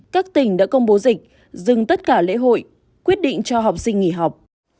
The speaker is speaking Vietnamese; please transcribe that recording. các tỉnh đã công bố dịch dừng tất cả lễ hội quyết định cho học sinh nghỉ học